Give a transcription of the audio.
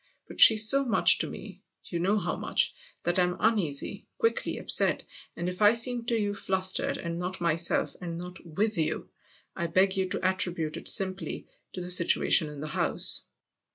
But she's so much to me you know how much that I'm uneasy, quickly upset; and if I seem to you flustered and not myself and THE OTHER HOUSE 45 not with you, I beg you to attribute it simply to the situation in the house."